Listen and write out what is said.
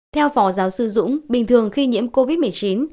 theo phó giáo sư dũng bình thường khi nhiễm covid một mươi chín